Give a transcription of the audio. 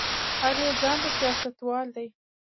هر يو ځان ته سياستوال دی.